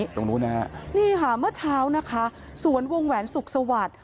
ตรงนู้นนะฮะนี่ค่ะเมื่อเช้านะคะสวนวงแหวนสุขสวัสดิ์